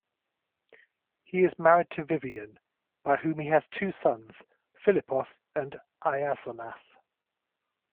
He is married to Vivian, by whom he has two sons, Filippos and Iasonas.